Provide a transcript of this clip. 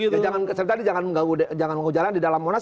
saya tadi jangan mengujalan di dalam monas